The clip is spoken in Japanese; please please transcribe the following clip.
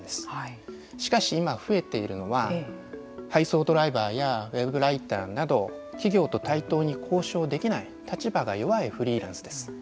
しかし今増えているのは配送ドライバーやウェブライターなど企業と対等に交渉できない立場が弱いフリーランスです。